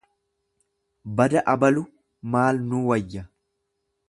Bada abalu maal nuu wayya?